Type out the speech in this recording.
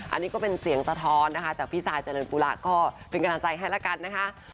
อันนี้ก็เป็นเสียงสะท้อนนะคะจากพี่ซายเจริญปุระก็เป็นกำลังใจให้ละกันนะคะ